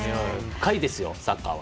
深いですよ、サッカーは。